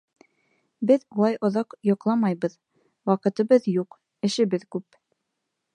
Беҙ улай оҙаҡ йоҡламайбыҙ, ваҡытыбыҙ юҡ, эшебеҙ күп.